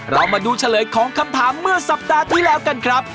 เรามาดูเฉลยของคำถามเมื่อสัปดาห์ที่แล้วกันครับ